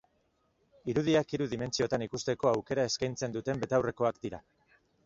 Irudiak hiru dimentsiotan ikusteko aukera eskaintzen duten betaurrekoak dira.